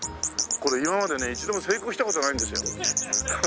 これ今までね一度も成功した事がないんですよハハハ。